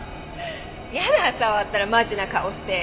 やだ佐和ったらマジな顔して。